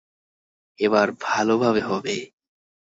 এবার ভালোভাবে হবে।